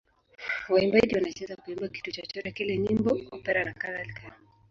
Waimbaji wanaweza kuimba kitu chochote kile: nyimbo, opera nakadhalika.